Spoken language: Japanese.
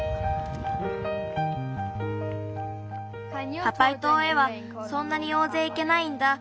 パパイとうへはそんなにおおぜいいけないんだ。